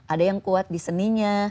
ada yang kuat di seninya